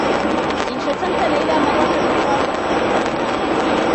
إن شتمت ليلى مرّة أخرى، سأكسر أسنانك.